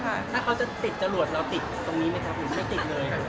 ถ้าเขาจะติดจรวดเราติดตรงนี้ไหมครับผมไม่ติดเลย